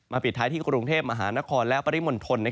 มาบังค์ท้ายที่กรุงเทพฯมหานครและปริมนธน